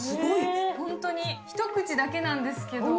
本当に、一口だけなんですけど。